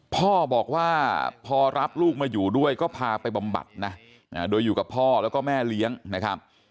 พ่อบอกว่าพอรับลูกมาอยู่ด้วยก็พาไปบำบัดนะโดยอยู่กับพ่อแล้วก็แม่เลี้ยงนะครับ